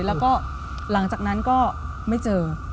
แล้วก็หลังจากนั้นก็ไม่เจอ